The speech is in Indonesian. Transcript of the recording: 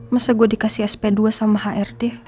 masa gue dikasih sp dua sama hrd